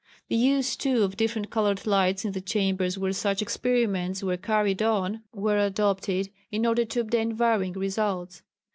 The use, too, of different coloured lights in the chambers where such experiments were carried on were adopted in order to obtain varying results.